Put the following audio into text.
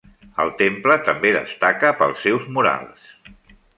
El temple també destaca pels seus murals.